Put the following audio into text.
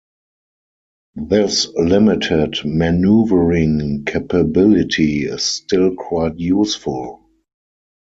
This limited maneuvering capability is still quite useful.